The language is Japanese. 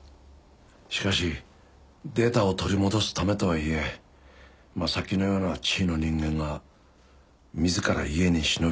しかしデータを取り戻すためとはいえ正木のような地位の人間が自ら家に忍び込むとは思えない。